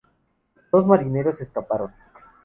Dos marineros escaparon.